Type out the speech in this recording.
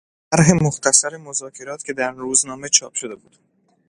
شرح مختصر مذاکرات که در روزنامه چاپ شده بود